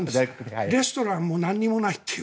レストランも何もないという。